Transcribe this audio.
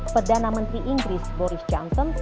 perdana menteri inggris boris johnson